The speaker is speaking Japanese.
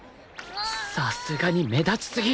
さすがに目立ちすぎ。